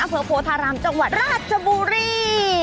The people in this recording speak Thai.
โพธารามจังหวัดราชบุรี